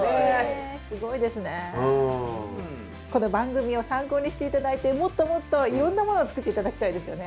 この番組を参考にして頂いてもっともっといろんなものを作って頂きたいですよね。